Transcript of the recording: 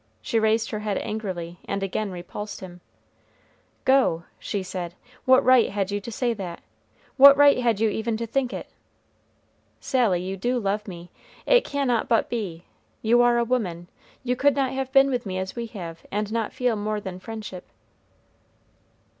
She raised her head angrily, and again repulsed him. "Go!" she said. "What right had you to say that? What right had you even to think it?" "Sally, you do love me. It cannot but be. You are a woman; you could not have been with me as we have and not feel more than friendship."